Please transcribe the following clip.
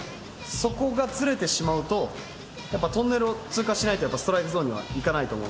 そこがずれてしまうとやっぱトンネルを通過しないとストライクゾーンにはいかないと思うので。